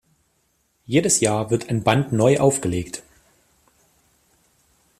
Jedes Jahr wird ein Band neu aufgelegt.